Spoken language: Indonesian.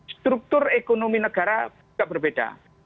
struktur ekonomi negara juga berbeda